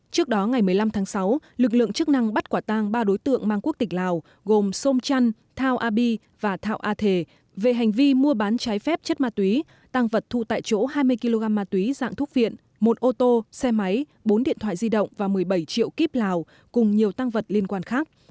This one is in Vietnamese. trước đó ngày một mươi năm tháng sáu lực lượng chức năng bắt quả tang ba đối tượng mang quốc tịch lào gồm sôm chăn thao a bi và thao a thề về hành vi mua bán trái phép chất ma túy tăng vật thu tại chỗ hai mươi kg ma túy dạng thuốc viện một ô tô xe máy bốn điện thoại di động và một mươi bảy triệu kíp lào cùng nhiều tăng vật liên quan khác